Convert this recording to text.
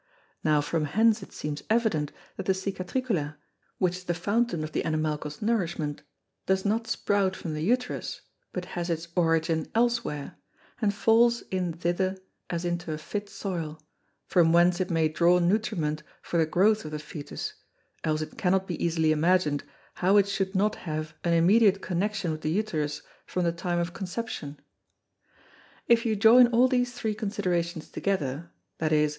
Now from hence it seems evident, that the Cicatricula, which is the Fountain of the Animalcles nourishment, does not sprout from the Uterus, but has its Origin elsewhere, and falls in thither as into a fit Soil, from whence it may draw Nutriment for the growth of the Fœtus, else it cannot be easily imagin'd, how it should not have an immediate Connexion with the Uterus from the time of Conception. If you join all these three Considerations together, _viz.